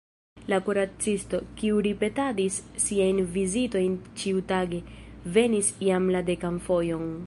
La kuracisto, kiu ripetadis siajn vizitojn ĉiutage, venis jam la dekan fojon.